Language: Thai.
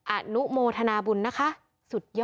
อาณุโมธนาบุญนะคะสุดยอดเลย